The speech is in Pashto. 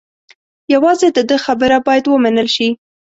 یوازې د ده خبره باید و منل شي.